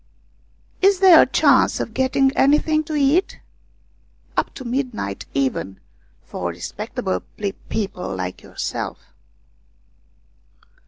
" Is there a chance of getting anything to eat ?"" Up to midnight even, for respectable people like yourself."